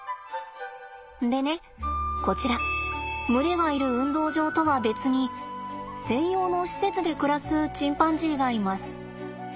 でねこちら群れがいる運動場とは別に専用の施設で暮らすチンパンジーがいます。